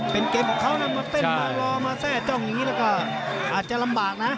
เป็นเกมของเขาน่ะมาเต้นมารอมาแจ้งอาจจะลำบากนะ